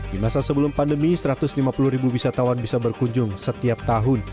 di masa sebelum pandemi satu ratus lima puluh ribu wisatawan bisa berkunjung setiap tahun